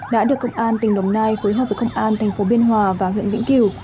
đã được công an tỉnh đồng nai phối hợp với công an thành phố biên hòa và huyện vĩnh kiều